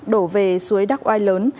đổ về suối đắc oai lớn